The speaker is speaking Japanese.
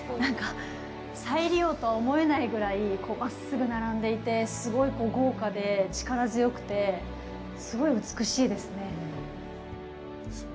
再利用とは思えないぐらい真っすぐ並んでいて、すごい豪華で力強くて、すごい美しいですね。